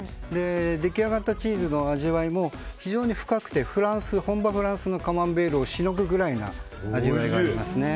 出来上がったチーズの味わいも非常に深くて本場フランスのカマンベールをしのぐぐらいな味わいがありますね。